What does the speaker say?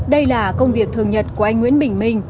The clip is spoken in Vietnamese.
đây là công việc thường nhật của anh nguyễn bình minh